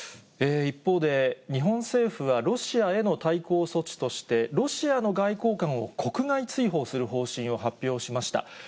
一方で、日本政府はロシアへの対抗措置として、ロシアの外交官を国外追放する方針を発表しました。